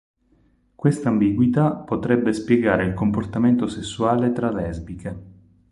Questa ambiguità potrebbe spiegare il comportamento sessuale tra lesbiche.